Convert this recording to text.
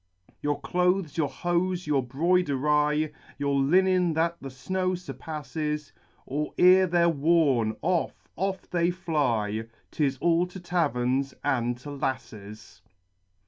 Your clothes, your hose, your broidery, Your linen that the snow surpasses, Or ere they're woni, off, off they fly, 'Tis all to taverns and to lasses